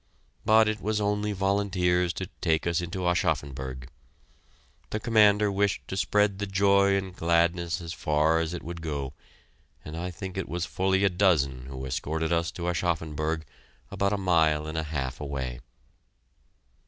But it was only volunteers to take us into Aschaffenburg. The commander wished to spread the joy and gladness as far as it would go, and I think it was fully a dozen who escorted us to Aschaffenburg, about a mile and a half away.